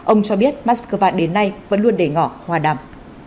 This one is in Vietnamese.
ông cho biết moscow đến nay vẫn luôn để ngỏ hòa đàm